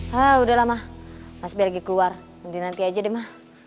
hah udahlah ma mas b lagi keluar nanti aja deh ma